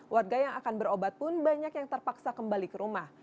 warga yang akan berobat pun banyak yang terpaksa kembali ke rumah